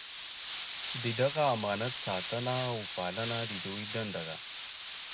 د دغه امانت ساتنه او پالنه د دوی دنده ده.